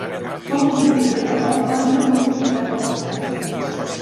Fou el primer treball de la banda no publicat als Estats Units.